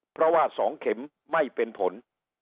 เพราะว่า๒เข็มไม่เป็นผล